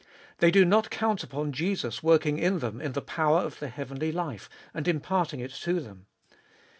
They do not count upon Jesus working in them in the power of the heavenly life, and imparting it to them.